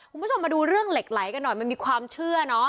คุณผู้ชมมาดูเรื่องเหล็กไหลกันหน่อยมันมีความเชื่อเนอะ